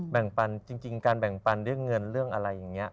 แบ่งปันจริงการแบ่งปันเรื่องเงินเรื่องอะไรอย่างนี้